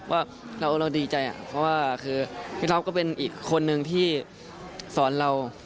ว่าเราดีใจเพราะว่าคือพี่ท็อปก็เป็นอีกคนนึงที่สอนเรา